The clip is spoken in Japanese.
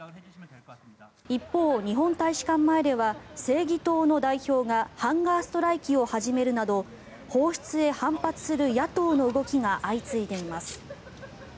一方、日本大使館前では正義党の代表がハンガーストライキを始めるなど放出へ反発する野党の動きが相次いでいます。